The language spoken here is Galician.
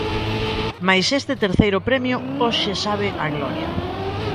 Mais este terceiro premio hoxe sabe a gloria.